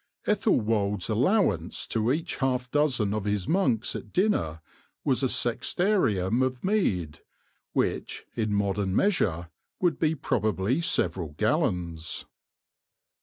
Ethelwold's allow ance to each half dozen of his monks at dinner was a sextarium of mead, which, in modern measure, would be probably several gallons.